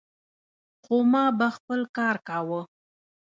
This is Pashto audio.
خو ما به خپل کار کاوه.